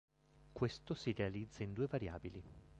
Questo si realizza in due variabili.